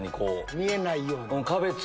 見えないように。